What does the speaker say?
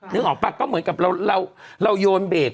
นึกออกป่ะก็เหมือนกับเราโยนเบรก